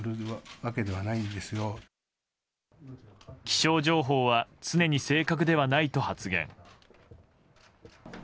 気象情報は常に正確ではないと発言。